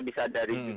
bisa juga dari industri